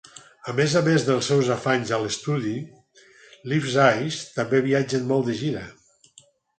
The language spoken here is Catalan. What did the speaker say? A més a més dels seus afanys a l"estudi, Leaves' Eyes també viatgen molt de gira.